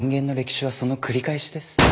人間の歴史はその繰り返しです。